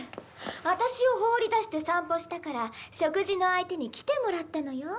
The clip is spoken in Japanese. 私を放り出して散歩したから食事の相手に来てもらったのよ。